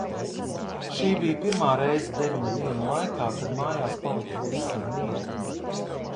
Šī bija pirmā reize deviņu dienu laikā, kad mājās paliku pavisam viena.